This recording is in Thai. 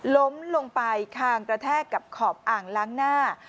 ล้มลงไปคางกระแทกกับขอบอ่างล้างหน้า